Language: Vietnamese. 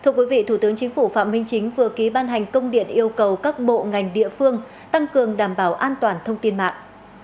chính vừa ký ban hành công điện yêu cầu các bộ ngành địa phương tăng cường đảm bảo an toàn thông tin mạng